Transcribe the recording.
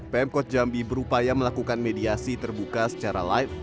pm kod jambi berupaya melakukan mediasi terbuka secara live